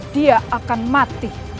dia akan mati